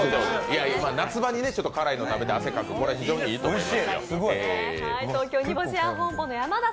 夏場に辛いもの食べて汗かく、非常にいいと思いますよ。